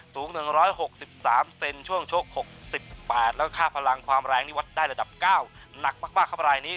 สูง๑๖๓เซนช่วงชก๖๘แล้วค่าพลังความแรงนี่วัดได้ระดับ๙หนักมากครับรายนี้